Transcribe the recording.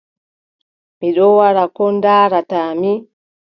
Mi ɗon wara ko ndaarataa mi ?